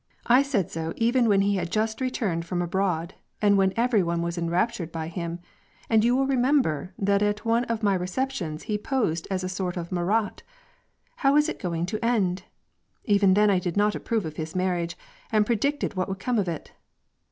I said so even when he had just returned from abroad, and when eveiy one was enraptured by him, and you will remember that at one of my receptions he posed as a sort of Marat. I(pw is it going to end ? Even then I did not approve of his marriage, and predicted what would come of it."